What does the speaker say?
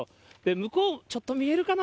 向こう、ちょっと見えるかな、